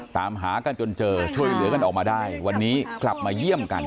ตามหากันจนเจอช่วยเหลือกันออกมาได้วันนี้กลับมาเยี่ยมกัน